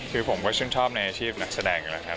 คือผมก็ชื่นชอบในอาชีพนักแสดงอยู่แล้วครับ